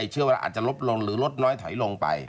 เชื่อว่าอาจจะลดลงหรือลดน้อยถอยลงไป